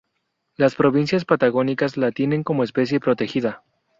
Las provincias patagónicas la tienen como especie protegida.